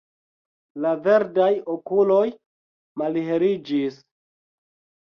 La verdaj okuloj malheliĝis.